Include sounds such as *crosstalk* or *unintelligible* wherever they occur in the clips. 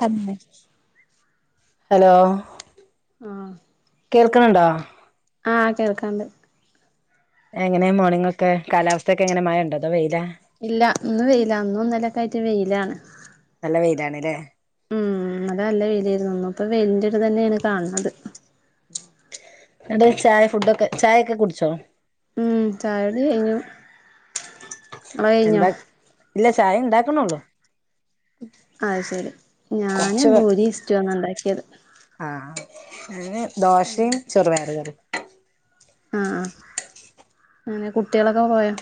Hello hello ആഹ് കേൾക്കണണ്ടോ. ആഹ് കേൾക്കാണ്ട് എങ്ങനെയാ മോർണിംഗ് ഒക്കെ കാലാവസ്ഥയൊക്കെ എങ്ങനെ മഴണ്ടോ അതോ വെയിലാ. ഇന്ന് വെയിലാ ഇന്നും ഇന്നലൊക്കെ ആയിട്ട് ഇല്ല നല്ല വെയിലാണല്ലേ. ഉം ഇന്നലെ നല്ല വെയിലായിരുന്നു, ഇന്നിപ്പോ വെലിന്റെ ഒരു ഇത് തന്നെയാണ് കാണുന്നുണ്ട്. അതെ ചായ ഫുഡ്‌ ഒക്കെ ചായ ഒക്കെ കുടിച്ചോ? ഉം ചായകുടി കഴിഞ്ഞു. എന്താ *unintelligible* ഇല്ല ചായ ഇണ്ടാക്കണേയുള്ളൂ. അഹ് ശെരി ഞാന് ഭൂരി ഇഷ്റ്റുഅ ന്ന്ണ്ടാക്കെ ഇത് ആ എന് ദോഷയും ചെറുവയറുകറി ആ ഹ അനെ കുട്ട്യേളൊക്കെ പോയൊ?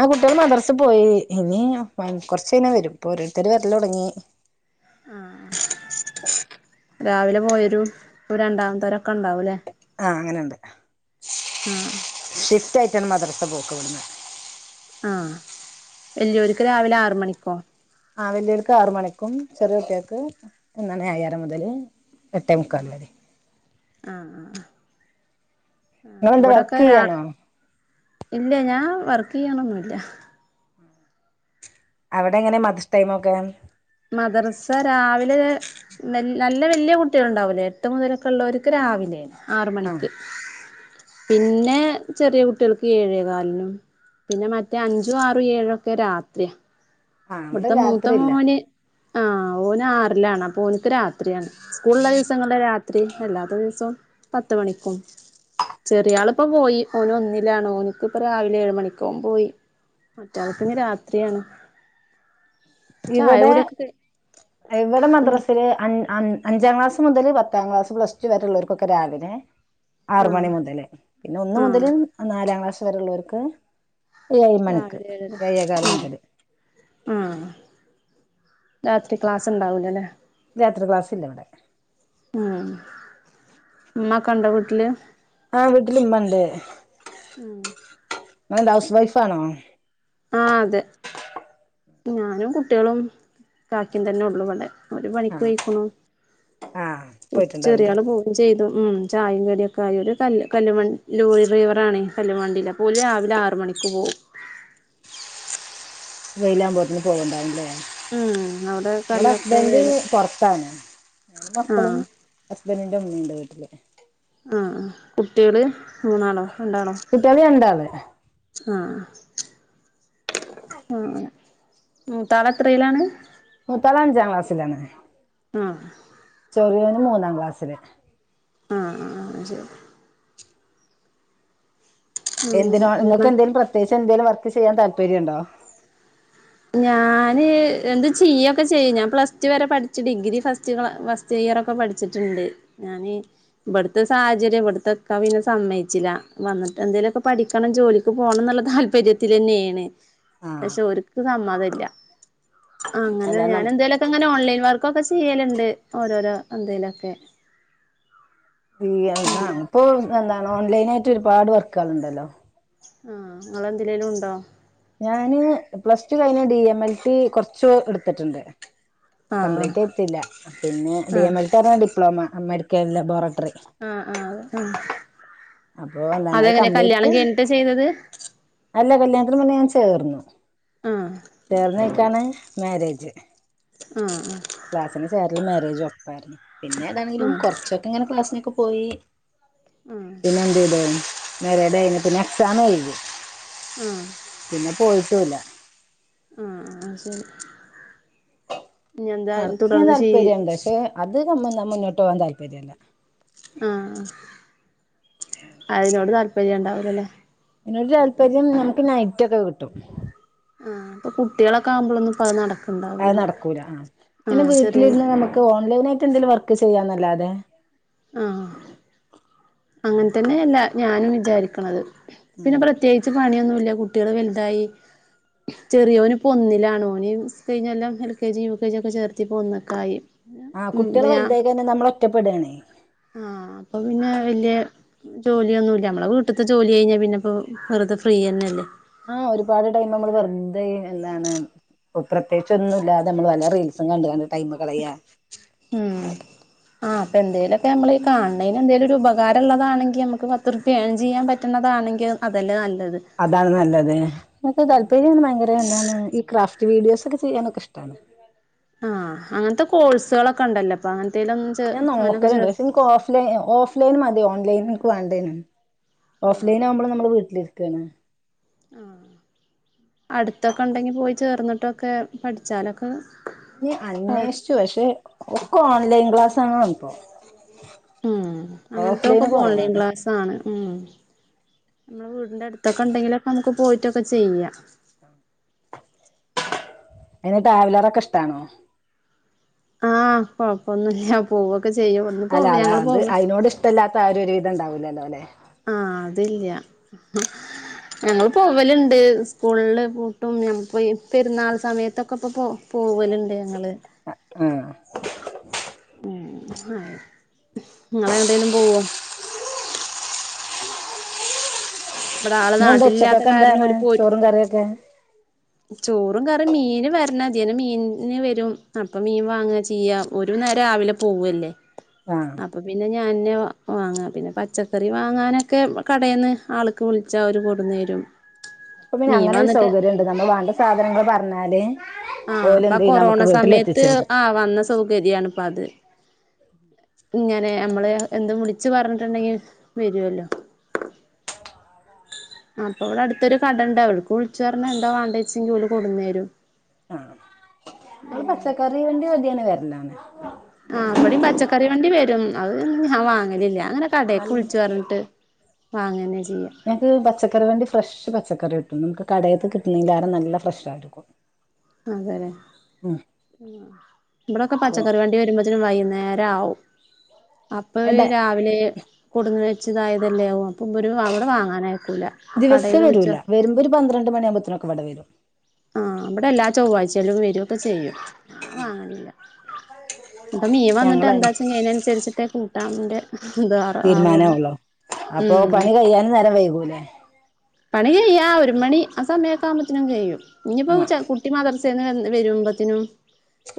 ആ കുട്ട്യാൾ മദർസി പോയീഞീ. ഇനീ കൊർചെയ്ഞ വരും. പൊ ഓരോരുത്തര് വര്ലൊട്ങ്ങി ആ രാവിലെ പോയൊരു പൊ രണ്ടാംതര ആ അങ്ങനെണ്ട് ആഹ് ഷിഫ്‌റ്റായി റ്റൻ മദ്റസ പോക്ക് *unintelligible* ആഹ് വല്ല്യോൽക്ക് രാവിലെ ആറ് മണിക്കോ? ആ വെല്ല്യോൽക്ക് ആറ് മണിക്കും ചെറിയ കുട്ട്യേക്ക് ന്നാണ് ഏഴര മുതല് എട്ടേമുക്കാൽ വരേ ആഹ് ഹ ഹ നിങ്ങളെന്താ വർക്ക് യ്യാനോ? ഇല്ല ഞാൻ വർക്ക് യ്യണൊന്നുല്ല അവടെ എങ്ങനെ മദ്ഷ്ടൈമൊക്കെ? മദർസ രാവിലെ നല്ല വല്യ കുട്ടികളൾ ഉണ്ടാവ്ലേ എട്ട് മുതലൊക്കെ ഉള്ളവർക്ക് രാവിലെയ ആറ് ആഹ് മണിക്ക് പിന്നെ ചെറിയ കുട്ടികൾക്ക് ഏഴേ കാലിനും പിന്നെ മറ്റേ അഞ്ചു ആറും ഏഴോ ഒക്കെ രാത്രിയാ ആഹ് അവിടെ ഇവിടുത്തെ മൂത്ത രാത്രിയില്ല മോന് ആ ഓന് ആറിലാണ് അപ്പൊ ഓൻ ക്ക് രാത്രിയാണ് സ്കൂളള്ള ദിവസങ്ങളു രാത്രി അല്ലാത്ത ദിവസം പത്ത് മണിക്കും ചെറിയളിപ്പ പോയി ഓന് ഒന്നിലാണ് ഓനക്ക്പ്പ രാവിലെ ഏഴ മണിക്ക പോയി മറ്റൾ പിന്ന രാത്രിയാണ് ചായ ഇവിടെ കുടിയൊക്കെ ഇവിടെ ഉം മദ്രസില് അൻ അൻ അഞ്ചാം ക്ലാസ് മുതൽ പത്താം ക്ലാസ് പ്ലസ്ടു വര ഉുള്ളവർക്കൊക്കെ രാവിലെ ആറ് ആഹ് മണി മുതല് പിന്നെ ഒന്ന ആഹ് മുതല് നാലാം ക്ലാസ് രള്ളോർക്ക് ഏഴ് മണിക്ക് രാവിലെ ഏഴെകാലണ്ടത് ആ രാത്രി ക്ലാസ്സ് ഉണ്ടാവൂലല്ലേ രാത്രി ക്ലാസ്സില്ല ഉം ഉമ്മക്കെണ്ട വീട്ടില് ആ വീട്ടിലിമ്മണ്ടേ ഉം നിങ്ങളെന്ത ഹൗസ് വൈഫാണോ ആ അതെ ഞാനും കുട്ടികളും കാക്കയും തന്നെ ഉള്ളു ഇവിടെ ഒരു മണിക്ക് ആഹ് കഴിക്കണോ ആഹ് പോയിട്ടുണ്ടാവുംല്ലേ ചെറിയള് പോവും ചെയ്തു ഉം ചായും കടിയൊക്കെ ആയി ഒരു കല്ല് കല്ലണ്ടി ലോറി ഡ്രൈവറ ആണേ കല്ലുംവണ്ടിയില് അപ്പ ഓര് രാവിലെ ആറ് മണിക്ക് പോവും വെയിലാുമ്പോ പോകണ്ടാവില്ലേ ഉം അവിടെ ഇടെ കല്ലൊക്കെ ഹസ്ബന്ഡ് വേഗം പൊറത്താണ് ഞാനും മക്കളും ആഹ് ബൻ്റിന്റെ മ്മയുണ്ട് വീട്ടില് ആ കുട്ടികള് മൂന്നാളോ ഉണ്ടാണോ കുട്ടികള് രണ്ടാള് ആ ആഹ് മുത്താൾ എത്രെലാണ് മുത്താൾ അഞ്ചാംക്ലാസ്സിലാണ് ആ മൂന്നാം ക്ലാസ്സില് ആ ആ ശരി അങ്ങനെ എന്തിനോ നിങ്ങൾക്ക് ഉം എന്തേലും പ്രത്യേകച്ച് എന്തിലും ചെയ്യാൻ താല്പര്യം മുണ്ടോ ഞാന് എന്ത് ചെയ്യൊക്കെ ചെയ്യും ഞാൻ പ്ലസ് ടു വരെ പഠിച്ചു ഡിഗ്രി ഫസ്റ്റ് ഫസ്റ്റ് ഇയർ ഒക്കെ പഠിച്ചിട്ടുണ്ട് ഞാന് ഇവിടുത്തെ സാഹചര്യം ഇവിടത്തെ ഇക്ക പിന്നെ സമ്മയിച്ചില്ല വന്നിട്ട് എന്തേലുമൊക്കെ പഠിക്കണം ജോലിക്ക് പോകണം എന്നുള്ള താല്പര്യത്തി തന്നെയാണ് ആഹ് പക്ഷെ ഒരു നമ്മതില്ല അങ്ങനെ അല്ല നം ഞാനെന്തായാലുംക്കെ അങ്ങനെ ഓൺലൈൻ വർ ക്കൊക്കെ ചെയ്യലുണ്ട് ഓരോരോ എന്തേലും ഒക്കെ *unintelligible* അപ്പോ എ ഓൺലൈന ആയിട്ട് ഒരുപാട് വർക്കൾണ്ടല്ലോ ആഹ ങ്ങെന്തിലേലും ഉണ്ടോ ഞാന് പ്ലസ് ടു കഴിഞ്ഞ ഡി എം എൽ ടി കൊറച്ച് എടുത്തിട്ടുണ്ട് ആഹ് കംപ്ലീറ്റ് ആയിട്ടില്ല പിന്നെ ഡി ആഹ് എം എൽ *unintelligible* ഡിപ്ലോമ അമേരിക്കൻ ലബോറ ആഹ ആഹ അ ആ അപ്പൊ എന്താണ് അത് അതെങ്ങനെ കല്യാണം കംപ്ലീറ്റ് കഴിഞ്ഞിട്ട ചെയ്തത് അല്ല കല്ല്യാണത്തിന് മുന്നേ ഞാൻ ചേർന്നു ആഹ് ചേർന്നെ യ്ക്കാണ് മേരേജ് ആ ആ ക്ലാസിന് ചേരലും മേരേജും ഒപ്പായിരുന്നു പിന്നെ ഏതാണെങ്കിലും ആഹ് കുറച്ചൊക്കെ ഇങ്ങനെ ക്ലാസിനൊക്കെ പോ പോയി ആഹ് പിന്നെന്തെയ്തെ *unintelligible* പിന്നെ എക്സാമ് എഴുതി ആഹ് പിന്നെ പോയിട്ടൂല ആഹ അ ശരി ഇനി എന്താ വർക്കെയ്യാൻ തുടർന്ന് ചെയ്യ താല്പര്യം ഉണ്ട് പക്ഷെ അത് നമ്മാ മുന്നോട്ട് പോവാൻ താല്പര്യം പ്പര്യല്ല ആഹ അതിനോട് തല്പ്പം പര്യ ഉണ്ടാവൂലല്ലേ ഇതിനൊരു താല്പര്യം നമുക്ക് നൈറ്റ ഒക്കെ കിട്ടും ആപ്പൊ കുട്ട്യേളൊക്കെ ആവുമ്പൊളൊന്നും പ്പം നടക്ക അത് നടക്കൂല പിന്നെ ചെറിയ വീട്ടിലിരുന്ന് നമുക്ക് ഓൺലൈന ആായിട്ട് എന്തെങ്കിലും വർക്ക് ചെയ്യാന്നല്ലാതെ ആ അങ്ങൻ തന്നെയ അല്ല ഞാനും വിചാരിക്കണത് പിന്നെ പ്രത്യേകിച്ച് പണിയൊന്നുമില്ല കുട്ടികൾ വലുതായി ചെറിയോന് ഇപ്പോ ഒന്നിലാണ് ഓന് കഴിഞ്ഞകൊല്ലം L K G U K G ഒക്കെ ചേർത്തിപ്പൊ ഒന്നൊക്കെയായി ആഹ് കുട്ട്യള് വലുതായി കഴിഞ്ഞാൽ നമ്മൾ ഒറ്റപ്പെടാണെ ജോലിയൊന്നൂല്ല നമ്മളെ വീട്ട്ത്തെ ജോലി കഴിഞ്ഞാൽ പിന്നെ ഇപ്പം വെറുതെ ഫ്രീയന്നെല്ലേ ആഹ് ഒരുപാട് ടൈം നമ്മൾ വെറ്തെ ഈ എന്താണ് പ്പ പ്രത്യേച്ചൊന്നുല്ലാതെ നമ്മള് വല്ല റീൽസും കണ്ട്കാണ്ട് ടൈമ് കളയാ ഉം ആഹ് പ്പന്തേലൊക്കെ അമ്മള് കാണേന് എന്തേലൊരു ഉപകാരള്ളതാണെങ്കി അമ്മക്ക് പത്തുറുപ്പിയ ഏൺ ചെയ്യാൻ പറ്റുന്നതാണെങ്കി അതല്ലേ ന *unintelligible* വീഡിയോസൊക്കെ ചെയ്യാനൊക്കെ ഇഷ്ടാണ് ആഹ് അങ്ങനത്തെ കോഴ്സൊളൊക്കണ്ടല്ലോ പ്പ അങ്ങ ഞാൻ നോക്കലുണ്ട് പക്ഷെ എനിക്ക് ഓഫ്‌ലൈ ഓഫ്‌ലൈൻ മതി ഓൺലൈൻ ന്ക്കു വേണ്ടേനു ആഹ് ഓഫ്‌ലൈൻ ആവുമ്പള് നമ്മള് വീട്ടില് തന്നെ ആഹ് അടുത്തൊക്കെണ്ടെങ്കി പോയി ചേർന്നിട്ടൊക്കെ പഠിച്ചാലൊക്കെ അന്യേ പോ അന്യേഷിച്ചു പക്ഷെ ഒക്കെ ഓൺലൈൻ ക്ലാസ് ത്താണ്പ്പൊ ഉം അങ്ങനത്തൊക്കപ്പൊ ഓൺലൈൻ കുറവാണ് ക്ലാസ്സാണ് ഉം അമ്മളാ വീടിന്റെ അടുത്തൊക്കണ്ടെങ്കിലൊക്കെ അമ്മക്ക് പോയിട്ടൊക്കെ ചെയ്യാം അയിനെ ട്രാവലറൊക്കെ ഇഷ്ടാണോ ആഹ് കൊഴപ്പന്നുല്ല പോവും അല്ല അതാ അത് അയിനോട് ഇഷ്ടല്ലാത്ത ആരും ഒരു വിധം ഉണ്ടാവൂലല്ലോ അല്ലെ തില്ല ഉം ഞങ്ങൾ പോവല്ണ്ട് സ്കൂള്ല് പൂട്ടും ഞ പൊയ് പെരുന്നാൾ സമയത്തൊക്കെ ഇപ്പം പോ പോവല്ണ്ട് ഞങ്ങള് ആഹ് ഏ ആ ഇങ്ങള് എവിടേലും പോവോ? ഇവിടെ ആള് ഇന്നന്തെ നാട്ടിലില്ലാത്ത കാരണം ഉച്ചക്കൊക്കെന്താണ് ഓല് പോയി ചോറും കറിയൊക്കെ ചോറും കറിം മീന് വര്ണം. തിലെ മീന് വരും. അപ്പൊ മീൻ വാങ്ങാചെയ്യാ ഒരുനേരം രാവിലെ പോവല്ലേ ആഹ് അപ്പൊ പിന്നെഞ്ഞ് ഞാന് വാ വാങ്ങാ പിന്നെ പച്ചക്കറി വാങ്ങാനൊക്കെ കടേന്ന് ആള് ക്ക് വിളിച്ചാൽ അവര് കൊട്ന്നരും ഇപ്പോ പിന്നെ അങ്ങനൊരു സൗകര്യൊണ്ട് നമ്മൾ വാണ്ട സാധനങ്ങൾ പറ്ഞ്ഞ അതെ ആഹ് പ്പ കൊറോണ സമയത്ത് തരും ആ വന്ന സൗകര്യാണ് പ്പത് ഇങ്ങനെ അമ്മള് എന്തും വിളിച്ച് പറഞ്ഞിട്ട്ണ്ടെങ്കി വരൊല്ലോ അപ്പൊ ഇവിടെ അടുത്തൊരു കടണ്ട് അവ്ട്ക്ക് വിളിച്ച് പറഞ്ഞാ എന്താ വാണ്ടേച്ചെങ്കി ഓല് കൊട്ന്നരും ആഹ് ഒരു പച്ചക്കറി വണ്ടി ആദ്യന്നെ വര്ല്ലാ അന്നെ അവ് ഞാൻ വാങ്ങലില്ല അങ്ങനെ കടേക്ക്‌ നല്ല വിളിച്ചു പറഞ്ഞിട്ട് അങ്ങനെ ഞങ്ങക്ക് പച്ചക്കറി വണ്ടി ഫ്രഷ് പച്ചക്കറി കിട്ടും നമുക്ക് കടേത്ത് കിട്ട്നീലേറെ നല്ല ഫ്രഷ് ആയിട്ട്ക്കും അതെ ഇബടൊക്കെ അപ്പൊ പച്ചക്കറി വണ്ടി വരുമ്പോ വൈകുന്നേരം ആവും. അപ്പൊവേ എടെ രാവിലെ കൊടുന്ന് വച്ചതായതല്ലെ ആവും. അപ്പൊ ഇവര് അവിടെ വാങ്ങാനയക്കൂല ദിവസം കടേല് വിളിച്ച് വരൂല്ല വരുമ്പോ ഒരു പന്ത്രണ്ട് മണി ആവുമ്പോത്തനൊക്കെ ഇവിടെ വരും. ആഹ് ഇബടെ എല്ലാ ചൊവ്വാഴ്ചേലും വരും. രൊക്ക ചെയ്യും ഞാൻ വാങ്ങലില്ല *unintelligible* ഇപ്പം മിൻ വന്നിട്ട് ഞങ്ങള എന്താചെങ്കി അയനനുസരിച്ചിട്ടെ കൂ ഡാമിന്റെ തീരുമാനാവൊള്ളു അപ്പൊ ഉം പണി കഴിയാനും നേരം വൈകൂലേ? പണി കഴിയ്യ ആ ഒരു മണി ആ സമയൊക്കെ ആകുമ്പഴത്തിനും കഴിയും ഇനിപ്പോ ആ ചെ കുട്ടി മദ്രസ്സ് തേന്നും വരുമ്പത്തിനും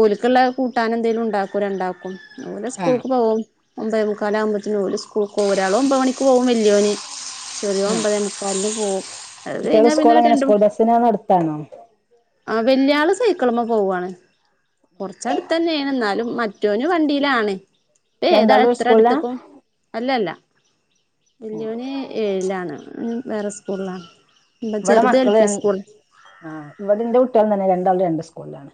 ഓല്ക്കുള്ള കൂട്ടാൻ എന്തേലും ഉണ്ടാക്കും രണ്ടാക്കും ഓല് ആ സ്കൂൾക്ക് പോവും ഒമ്പതേമുക്കാലാകുമ്പത്തേന് ഓല് സ്‌കൂൾക്ക് പോവും ഒരാള് ഒമ്പത് മണിക്ക്‌ പോവും വലിയോന് ചെറിയോൻ ഒമ്പതെ കാലിന് പോവും കുട്ടികള് സ്കൂൾ എങ്ങനെ സ്കൂൾ രണ്ട് ബസ്സിന അതോ എടുത്താണോ വല്യാള് സൈക്കിളമ്മ പോവാണ് കുറച്ചടുത്ത് തന്നെയണ് എന്നാലും മൻ റ്റോന് വണ്ടിയിലാണ് ഏതാ രണ്ടാളും ഒരു എത്ര സ്കൂളിലാ അടുത്തക്കും അല്ലല്ല വല്യോന് ഏഴിലാണ് വേറെ സ്കൂളില ഇവിടെ മക്കള് രണ്ട്‌ ആ ഇവിടെ ഇന്റെ കുട്ടികളും തന്നെ രണ്ടാളും രണ്ട്‌ സ്കൂ കൂളിലാണ്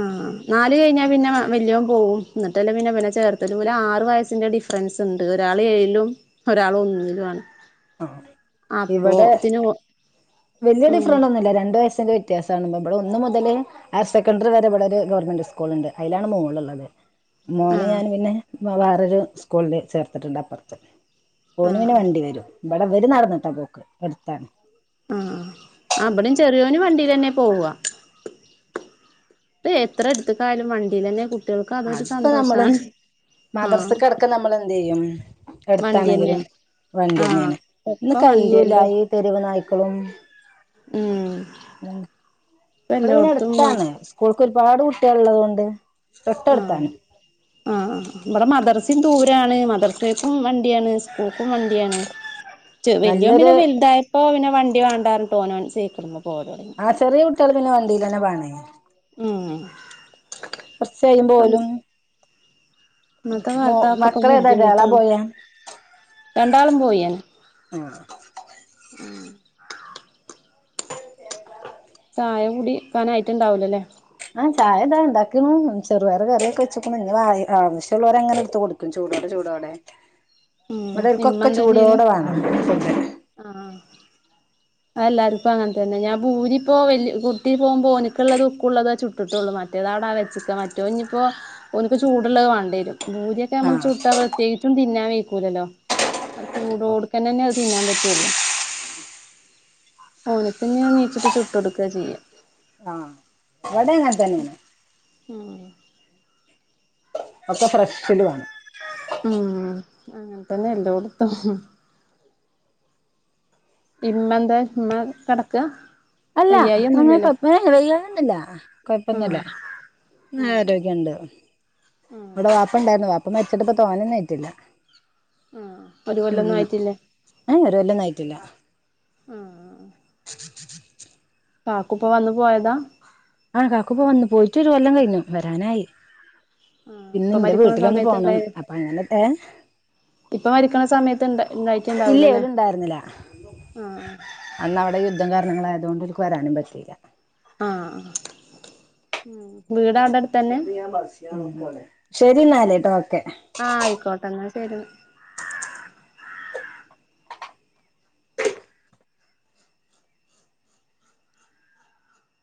ആഹ് നാല് കഴിഞ്ഞാൽ പിന്നെ വല്യോൻ പോകും ന്നിട്ടല്ലേ പിന്നെ ഇവനെ ചേർത്തത് ഓല് ആറു വയസ്സിന്റെ ഡിഫറൻസ് ഉണ്ട് ഒരാള് ഏഴിലും ഒരാള് ഒന്നിലാണ് ഇവിടെ ഓ വല്യ ആ ഡിഫറൻറ് ഒന്നുല്ല രണ്ട് വയസിന്റെ വ്യത്യാസം. *unintelligible* ഇബടെ ഒന്ന്‌ മുതല് ഹയർ സെക്കൻഡറി വരെ ഇബടെ ഒരു ഗവൺമെന്റ് സ്കൂള്ണ്ട്‌ അയിലാണ് മോളുള്ളത് ആ മോനെ ഞാൻ പിന്നെ വാ വേറൊരു സ്കൂള്ല് ചേർത്തിട്ട്ണ്ട് അപ്പറ്ത്ത് ആ ആ ഓന് പിന്നെ വണ്ടി വരും ഇവടെ ഇവര് നടന്നിട്ടാ പോക്ക് എട്ത്താണ് വല്ല്യോന് വണ്ടി തന്നെ പോവാ ഇപ്പെ എത്ര എട്ത്ത്ക്കായാലും വണ്ടിലെന്നെ കു അത്പ്പോ നമ്മള് ആഹ് മദ്രസക്ക് എടക്ക് നമ്മള് എന്തെയ്യും വണ്ടിയന്നെ എട്ത്താണെങ്കിലും ആഹ് വണ്ടിയന്നേണ് ഇന്ന് ഒക്കെ കയ്യൂലാ വണ്ടിയല്ലേ ഈ തെരുവ് നായ്ക്കളും ഉം ഉം ഇപ്പ ഇവടെ പിന്നെ എല്ലോടത്തും ആഹ് എട്ത്താണ് സ്കൂൾക്ക് ഒരുപാട് കു ഒള്ളത് കൊണ്ടേ ആഹ് തൊട്ടട്ത്താണ്. ആഹ് ഇബടെ മദർസിം ദൂരാണ് മദർസേക്കും വണ്ടിയാണ്. സ്കൂക്കും വണ്ടിയാണ്. വല്യോൻ നല്ലൊരു പിന്നെ വൽതായപ്പോ പിന്നെ വണ്ടി വാണ്ടാർഞ്ഞ്ട്ട് ഓനോൻ സൈക്ക്ള്മ്മ ആഹ് ചെറീ കുട്ട്യാള് പിന്നെ വണ്ടീലെ ന്നെ പാണെ ഉം. *unintelligible* ഇപ്പം പോലും ഇന്നത്തെ കാൽത്ത ആക്ക ഇപ്പൊ ഗേളാ ബുദ്ധിമുട്ടാണ് ബോയാ രണ്ടാളും പോയി ആഹ് *inaudible* ചായ കുടിക്കാനായിട്ട് ണ്ടാവുലല്ലേ? ആഹ് ചായ ഇതാ ഇണ്ടാക്ക്ണു. ചെറുപയറ് കറിയൊക്കെ വെച്ച്ക്ക്ണു. ഞ്ഞ് ആവശ്യം ള്ളോരങ്ങനെ ഇട്ത്ത് കുടിക്കും ചൂടോടെ ചൂടോടെ. ഉം ഇമ്മ ഇവ്ടോൽക്കൊക്കെ എന്താ ചെയ്യണ് ചൂടോടെ വാ ണം. എല്ലാർക്കും അങ്ങൻ തന്നെ ഞാൻ ഭൂരിപ്പോ വല്ല കുട്ടി പോമ്പോ ഓ നിക്ക്ള്ളതും ഓക്കുള്ളത ചുട്ട്ട്ടുള്ളൂ. മറ്റേതാടാ വെച്ചക്ക മറ്റോം ഞ്ഞ്പ്പോ ഓൻക്ക് ചൂട്ള്ള വാണ്ടിയരും. ഭൂരിയൊക്കെ നമ്മള് ആഹ് ചുട്ടാ പ്രത്യേകിച്ചും തിന്നാ വെയ്ക്കൂലല്ലോ. ആത് ചൂടോടുക്കനന്നെ അത് തിന്നാൻ പറ്റുള്ളൂ ഓനിപ്പെനി എനീച്ചിട്ട് ചുട്ട് എടുക്കാ ചെയ്യാ. ഇവടെ ഇങ്ങനെത്തന്നെയാണ്. ഉം ഒക്കെ ഫ്രഷില് വേണം. ഉം അങ്ങനെത്തന്നെ എല്ലോടുത്തും. ഇമ്മന്തേ ഇമ്മ കെടക്കാ? അല്ല അങ്ങനെ കൊഴപ്പ വയ്യായ്ക ഒന്നുല്ല കൊഴപ്പൊന്നില്ല ആഹ് ആരോഗ്യുണ്ട് ഇവിടെ വാപ്പ ഇണ്ടായിരുന്നു വാ പ്പ മരിച്ചിട്ടിപ്പോ തോനെയൊന്നും ആയിട്ടില്ല. ആഹ് ഒരു കൊല്ലൊന്നും എന്നാ ആയിട്ടില്ലേ ആഹ് ഒരു കൊല്ലൊന്നും ആയിട്ടില്ല. കാക്കുപ്പ വന്നു പോയതാ ആ കാക്ക്പ്പ വന്നു, പോയിട്ട് ഒരു കൊല്ലം കഴിഞ്ഞു വരാനായി ആഹ് ഇന്ന് ഇപ്പൊ ഇന്റെ മരിക്കണ വീട്ടിലൊന്ന് സമയത്ത് പോണം ഇണ്ടായി അപ്പൊ അങ്ങനെ ഏ ഇപ്പൊ മരിക്കണ സമയത്ത് ഇണ്ട് ഇല്ല ഇന്നയിക്കേണ്ടാവൂലല്ലേ ഓല് ഉണ്ടായിരുന്നില്ല ങാ ഹ് അന്ന് അവിടെ യുദ്ധം കാരണങ്ങളയതു കൊണ്ട് ഓര്ക്ക് വരാനും പറ്റീല്ല ങാ വീട് അവിടെ അടുത്തന്നെ ശരി എന്നാല്ല് ട്ടോക്കെ ങാ ആയിക്കോട്ടെ എന്നാ ശെരിന്നാ